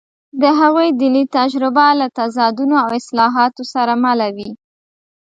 د هغوی دیني تجربه له تضادونو او اصلاحاتو سره مله وه.